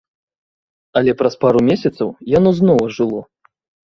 Але праз пару месяцаў яно зноў ажыло.